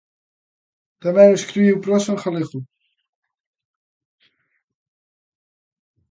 Tamén escribiu prosa en galego.